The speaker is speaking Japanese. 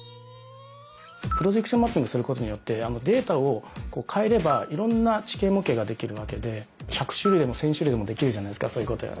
プロジェクションマッピングすることによってデータを変えればいろんな地形模型ができるわけで１００種類でも１，０００種類でもできるじゃないですか。